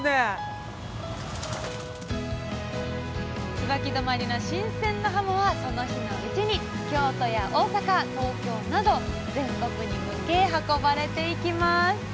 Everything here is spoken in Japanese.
椿泊の新鮮なはもはその日のうちに京都や大阪東京など全国に向け運ばれていきます